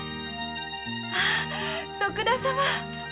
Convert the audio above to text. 徳田様！